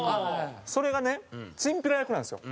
それがねチンピラ役なんですよ